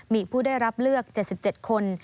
มีผู้ได้รับเลือก๗๗คน